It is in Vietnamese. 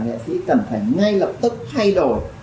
nghệ sĩ cần phải ngay lập tức thay đổi